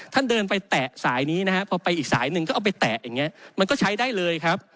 เดินไปแตะสายนี้นะฮะพอไปอีกสายหนึ่งก็เอาไปแตะอย่างนี้มันก็ใช้ได้เลยครับ